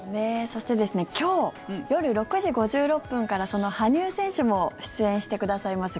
そしてですね今日夜６時５６分からその羽生選手も出演してくださいます